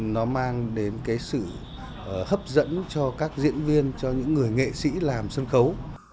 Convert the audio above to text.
nó mang đến cái sự hấp dẫn cho các diễn viên cho những người nghệ sĩ làm sân khấu